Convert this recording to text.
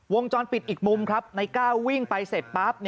วงจรปิดอีกมุมครับในก้าววิ่งไปเสร็จปั๊บ